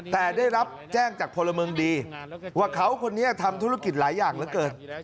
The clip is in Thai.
แต่ได้รับแจ้งจากพลเมืองดีว่าเขาคนนี้ทำธุรกิจหลายอย่างเหลือเกิน